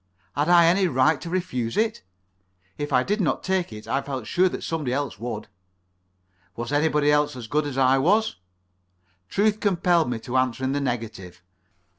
Had I any right to refuse it? If I did not take it, I felt sure that somebody else would. Was anybody else as good as I was? Truth compelled me to answer in the negative.